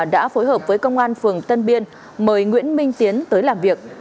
đã phối hợp với công an tp biên hòa mời nguyễn minh tiến tới làm việc